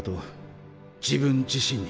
自分自身に。